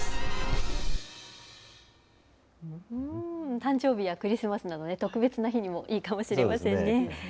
誕生日やクリスマスなど、特別な日にもいいかもしれませんね。